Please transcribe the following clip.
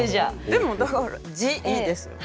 でもだから自慰ですよね。